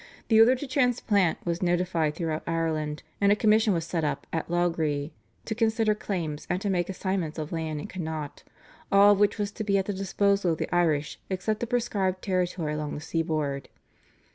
The order to transplant was notified throughout Ireland, and a commission was set up at Loughrea to consider claims and to make assignments of land in Connaught, all of which was to be at the disposal of the Irish except a prescribed territory along the sea board.